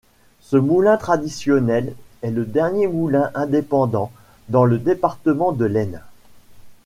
Ce moulin traditionnel est le dernier moulin indépendant dans le département de l'Aisne.